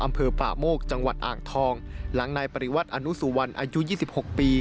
อำเภอป่าโมกจังหวัดอ่างทองหลังนายปริวัติอนุสุวรรณอายุยี่สิบหกปี